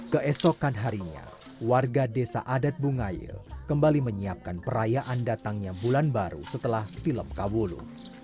keesokan harinya warga desa adat bungaya kembali menyiapkan perayaan datangnya bulan baru setelah film kawulu